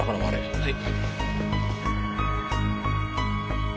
はい。